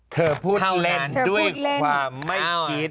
เธอพูดเล่นด้วยความไม่คิด